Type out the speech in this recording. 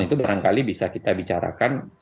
itu barangkali bisa kita bicarakan